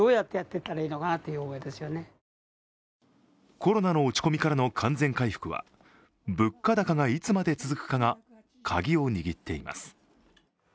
コロナの落ち込みからの完全回復は物価高がいつまで続くかがカギを握っています。